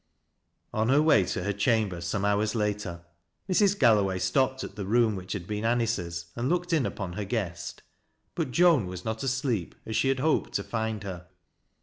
On her way to her chamber some hours later Mrs. Gallo way stopped at the room which had been Anice's, and looked in upon her guest. But Joan was not asleep, as she had hoped to find her.